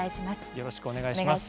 よろしくお願いします。